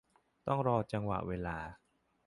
ต้องรอจังหวะเวลา